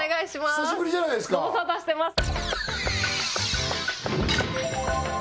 久しぶりじゃないですかご無沙汰してます